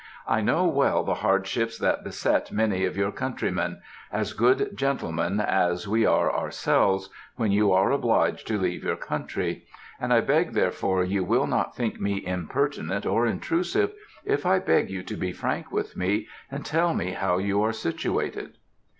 I know well the hardships that beset many of your countrymen as good gentlemen as we are ourselves when you are obliged to leave your country; and I beg therefore you will not think me impertinent or intrusive, if I beg you to be frank with me and tell me how you are situated!'